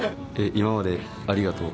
今までありがとう。